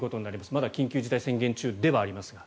まだ緊急事態宣言中ではありますが。